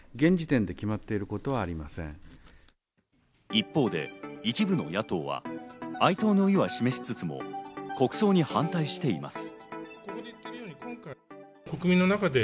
一方で一部の野党は哀悼の意は示しつつも、国葬に反対しています。